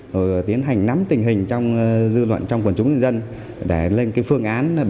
và tiến hành nắm tình hình trong dư luận